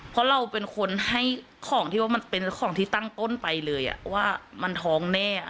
เพราะเราเป็นคนให้ของที่ว่ามันเป็นของที่ตั้งต้นไปเลยว่ามันท้องแน่